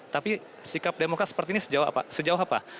tapi sikap demokrat seperti ini sejauh apa